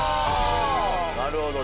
なるほど。